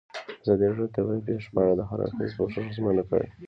ازادي راډیو د طبیعي پېښې په اړه د هر اړخیز پوښښ ژمنه کړې.